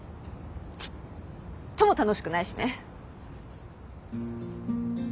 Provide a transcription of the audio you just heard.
ちっとも楽しくないしね。